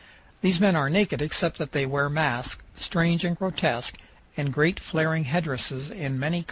These men are naked except that they wear masks, strange and grotesque, and great flaring headdresses in many colors.